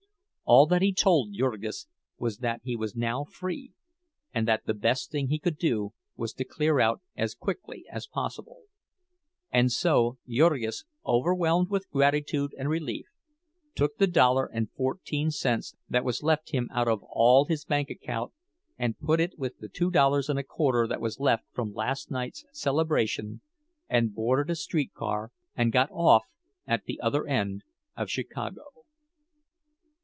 All that he told Jurgis was that he was now free, and that the best thing he could do was to clear out as quickly as possible; and so Jurgis overwhelmed with gratitude and relief, took the dollar and fourteen cents that was left him out of all his bank account, and put it with the two dollars and quarter that was left from his last night's celebration, and boarded a streetcar and got off at the other end of Chicago.